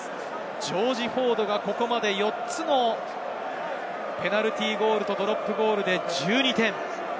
ジョージ・フォードがここまで４つのペナルティーゴールとドロップゴールで１２点。